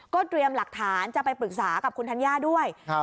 เตรียมหลักฐานจะไปปรึกษากับคุณธัญญาด้วย